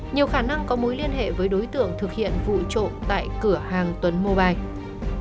nhiều khả năng có mối liên hệ với đối tượng thực hiện vụ trộm tại cửa hàng tuấn mobile